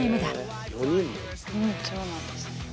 そうなんです。